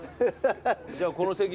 じゃあこの席。